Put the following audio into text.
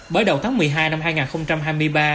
bởi đầu tháng một mươi hai năm hai nghìn hai mươi ba